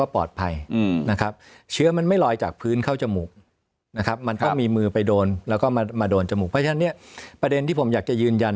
เพราะฉะนั้นประเด็นที่ผมอยากจะยืนยัน